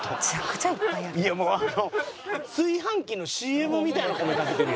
いやもうあの炊飯器のＣＭみたいな米炊けてるやん！